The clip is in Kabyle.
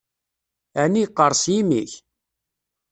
Ɛni yeqqers yimi-k?